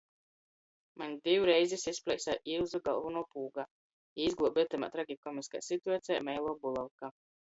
Maņ div reizis izpleisa iuzu golvonuo pūga i izgluobe itamā tragikomiskā situacejā meiluo bulavka.